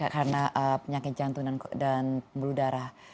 karena penyakit jantung dan berudara